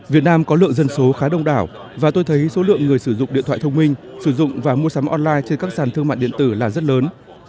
việt nam có lượng dân số khá đông đảo và tôi thấy số lượng người sử dụng điện thoại thông minh sử dụng và mua sắm online trên các sàn thương mại điện tử là rất lớn